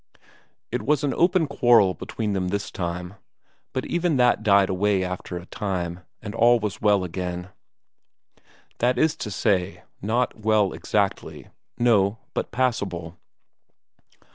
It was an open quarrel between them this time. But even that died away after a time, and all was well again. That is to say, not well exactly no, but passable.